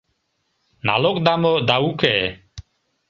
Налог да мо да уке.